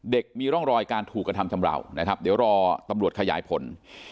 มีร่องรอยการถูกกระทำชำราวนะครับเดี๋ยวรอตำรวจขยายผล